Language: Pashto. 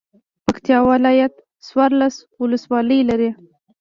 پکتيا ولايت څوارلس ولسوالۍ لري.